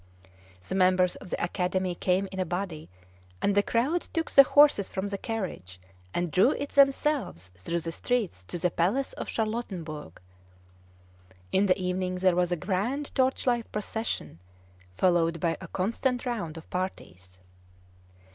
The members of the Academy came in a body; and the crowd took the horses from the carriage, and drew it themselves through the streets to the Palace of Charlottenburg. In the evening there was a grand torchlight procession, followed by a constant round of parties.